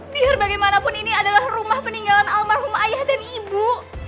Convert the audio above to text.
biar bagaimanapun ini adalah rumah peninggalan almarhum ayah dan ibu